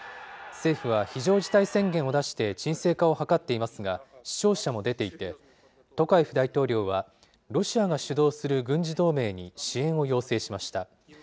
政府は非常事態宣言を出して鎮静化を図っていますが、死傷者も出ていて、トカエフ大統領は、ロシアが主導する軍事同盟に支援を要請しました。